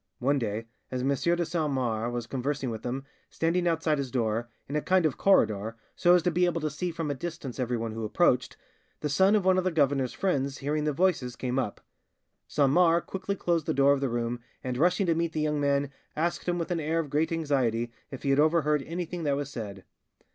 One day, as M. de Saint Mars was conversing with him, standing outside his door, in a kind of corridor, so as to be able to see from a distance everyone who approached, the son of one of the governor's friends, hearing the voices, came up; Saint Mars quickly closed the door of the room, and, rushing to meet the young man, asked him with an air of great anxiety if he had overheard anything that was said.